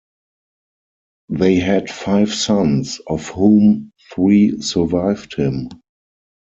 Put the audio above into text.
They had five sons, of whom three survived him.